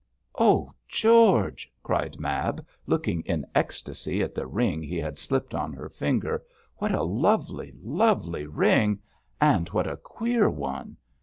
'Oh, George!' cried Mab, looking in ecstasy at the ring he had slipped on her finger, 'what a lovely, lovely ring, and what a queer one!